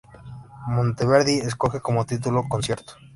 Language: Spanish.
Monteverdi escoge como título "Concierto".